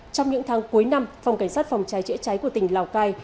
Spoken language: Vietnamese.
trong những tháng cuối năm phòng cảnh sát phòng cháy chữa cháy của tỉnh lào cai